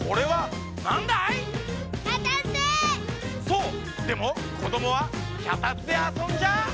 そうでもこどもはきゃたつであそんじゃ。